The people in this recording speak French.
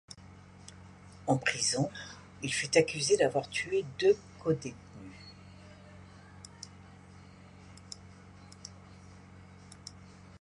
En prison, il fut accusé d'avoir tué deux codétenus.